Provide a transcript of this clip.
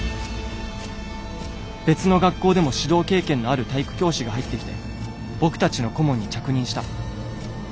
別の学校でも指導経験のある体育教師が入ってきて僕たちの顧問に着任した。